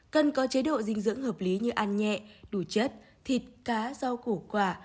cần có chế độ dinh dưỡng hợp lý như ăn nhẹ đủ chất thịt cá rau củ quả